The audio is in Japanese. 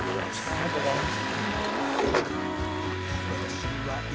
ありがとうございます。